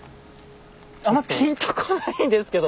あんまぴんとこないんですけど。